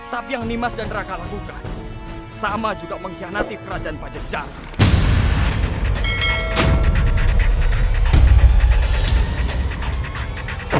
tapi yang nimas dan raka lakukan sama juga mengkhianati kerajaan pajak jahat